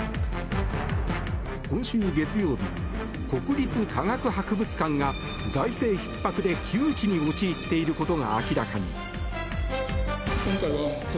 今週月曜日国立科学博物館が財政ひっ迫で窮地に陥っていることが明らかに。